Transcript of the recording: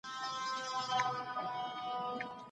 مړ سړی باید په ډګر کي ږدن او اتڼ خوښ کړي وای.